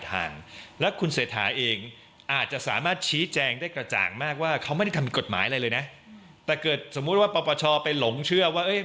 มันก็จะมีประเด็นตามมาครับในทางการเมือง